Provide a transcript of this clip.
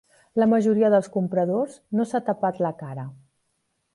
La majoria dels compradors no s'ha tapat la cara.